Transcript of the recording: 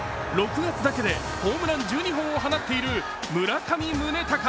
６月だけでホームラン１２本を放っている村上宗隆。